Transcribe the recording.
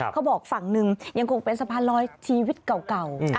ฝั่งหนึ่งยังคงเป็นสะพานลอยชีวิตเก่า